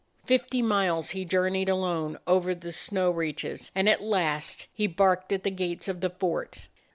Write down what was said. Fifty miles he jour neyed alone over the snow reaches, ; and at last he barked at the gates of the fort.